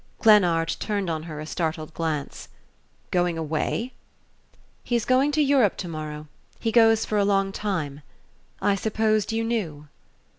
Glennard turned on her a startled glance. "Going away?" "He's going to Europe to morrow. He goes for a long time. I supposed you knew."